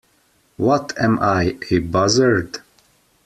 What am I — a buzzard?